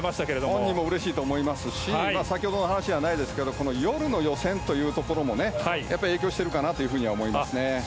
本人もうれしいと思いますし先ほどの話じゃないですけど夜の予選というところも影響しているかなと思います。